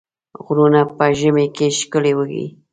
غرونه په ژمي کې ښکلي وي.